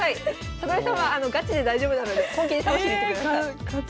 里見さんはガチで大丈夫なので本気で倒しにいってください。